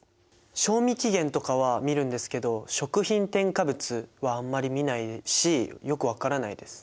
賞味期限とかは見るんですけど食品添加物はあんまり見ないですしよく分からないです。